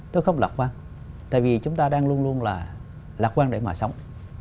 tôi không lạc quan tại vì chúng ta đang luôn luôn là lạc quan để mà sống